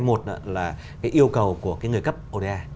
một là yêu cầu của người cấp oda